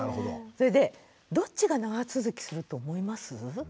それでどっちが長続きすると思います？